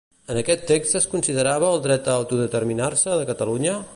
En aquest text es considerava el dret a autodeterminar-se de Catalunya?